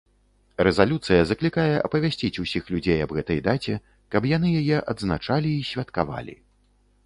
Рэзалюцыя заклікае апавясціць усіх людзей аб гэтай даце, каб яны яе адзначалі і святкавалі.